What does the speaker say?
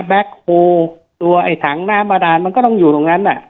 โฮลตัวไอ้ถังน้ำบาดานมันก็ต้องอยู่ตรงนั้นน่ะ